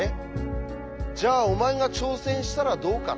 じゃあお前が挑戦したらどうかって？